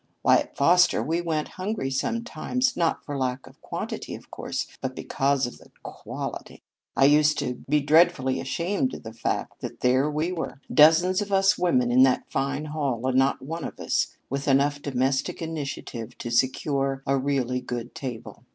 Why, at Foster we went hungry sometimes not for lack of quantity, of course, but because of the quality. I used to be dreadfully ashamed of the fact that there we were, dozens of us women in that fine hall, and not one of us with enough domestic initiative to secure a really good table.